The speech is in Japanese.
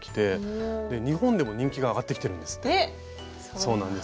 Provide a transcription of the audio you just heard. そうなんです。